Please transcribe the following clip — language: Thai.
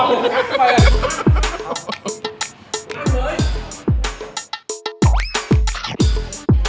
ทำไมอะ